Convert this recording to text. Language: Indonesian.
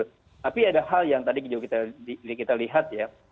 tapi ada hal yang tadi juga kita lihat ya